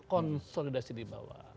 konsolidasi di bawah